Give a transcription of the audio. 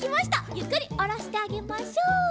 ゆっくりおろしてあげましょう。